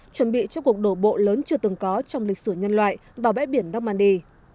chuẩn bị cho cuộc đổ bộ lớn chưa từng có trong lịch sử nhân loại vào bãi biển normandy